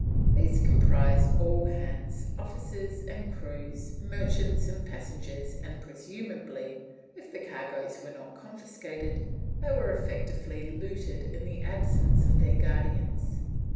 These comprise all hands, officers and crews, merchants and passengers, and presumably, if the cargoes were not confiscated, they were effectually looted in the absence of their guardians.